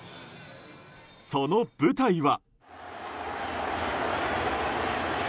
その舞台は。